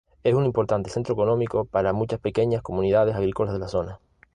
Es un importante centro económico para muchas pequeñas comunidades agrícolas en la zona.